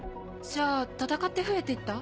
じゃあ戦って増えて行った？